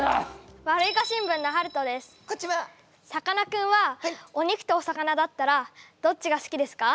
さかなクンはお肉とお魚だったらどっちが好きですか？